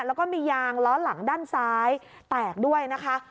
แล้วก็มียางล้อหลังด้านซ้ายแตกด้วยนะคะ